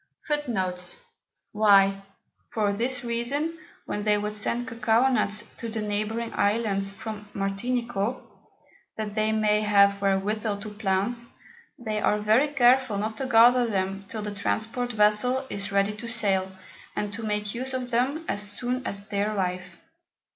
FOOTNOTES: [y] For this reason, when they would send Cocao Nuts to the neighbouring Islands from Martinico, that they may have wherewithal to plant, they are very careful not to gather them till the Transport Vessel is ready to sail, and to make use of them as soon as they arrive.